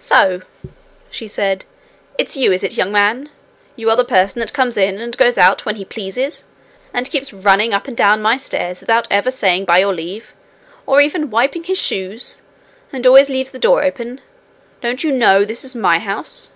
'So!' she said, 'it's you, is it, young man? You are the person that comes in and goes out when he pleases, and keeps running up and down my stairs without ever saying by your leave, or even wiping his shoes, and always leaves the door open! Don't you know this is my house?'